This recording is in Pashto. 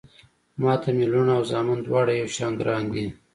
ما ته مې لوڼه او زامن دواړه يو شان ګران دي